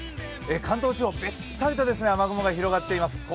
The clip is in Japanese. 関東地方、べったりと雨雲が広がっています。